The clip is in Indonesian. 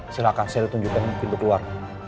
silahkan saya tunjukkan mungkin berkeluar